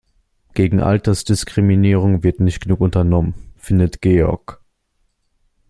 Gegen Altersdiskriminierung wird nicht genug unternommen, findet Georg.